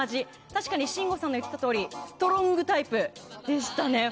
確かに信五さんの言っていたようにストロングタイプでしたね。